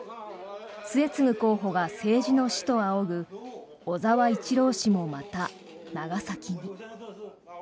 末次候補が政治の師と仰ぐ小沢一郎氏もまた長崎に。